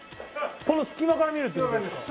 この隙間から見るって事ですか？